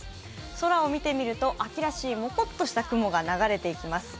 空を見てみると秋らしいモコッとした雲が流れていきます。